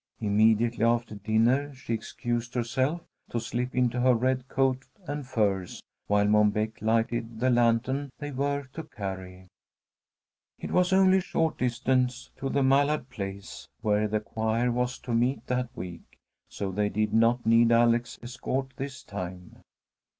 Immediately after dinner she excused herself, to slip into her red coat and furs, while Mom Beck lighted the lantern they were to carry. It was only a short distance to the Mallard place, where the choir was to meet that week, so they did not need Alec's escort this time.